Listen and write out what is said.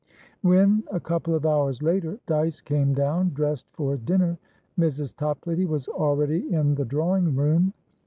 When, a couple of hours later, Dyce came down dressed for dinner, Mrs. Toplady was already in the drawing room.